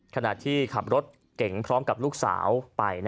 ขณะที่ขับรถเก่งพร้อมกับลูกสาวไป